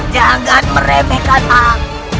jangan meremehkan aku